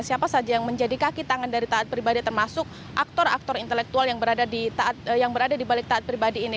siapa saja yang menjadi kaki tangan dari taat pribadi termasuk aktor aktor intelektual yang berada di balik taat pribadi ini